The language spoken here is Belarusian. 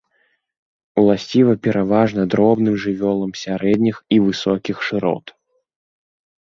Уласціва пераважна дробным жывёлам сярэдніх і высокіх шырот.